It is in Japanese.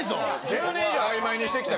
１０年以上あいまいにしてきた。